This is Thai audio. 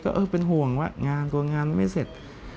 ก็เออเป็นห่วงว่างานกลัวงานไม่เสร็จ